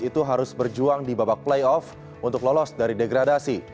itu harus berjuang di babak playoff untuk lolos dari degradasi